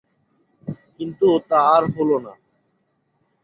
কিন্তু তা আর হল না।